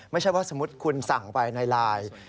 ไม่ใช่ว่าสมมุติคุณสั่งไปในไลน์